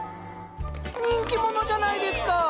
人気者じゃないですか！